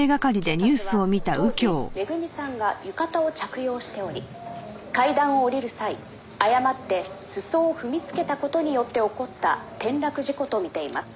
「警察は当時めぐみさんが浴衣を着用しており階段を下りる際誤って裾を踏みつけた事によって起こった転落事故とみています」